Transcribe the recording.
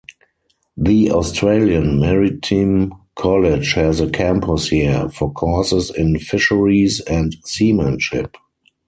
The Australian Maritime College has a campus here, for courses in fisheries and seamanship.